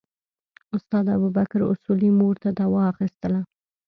استاد ابوبکر اصولي مور ته دوا اخیستله.